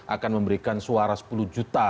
akan memberikan suara sepuluh juta